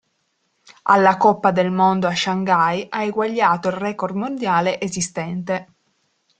Alla Coppa del Mondo a Shanghai, ha eguagliato il record mondiale esistente.